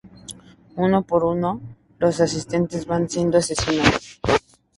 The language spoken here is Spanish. Uno por uno, los asistentes van siendo asesinados.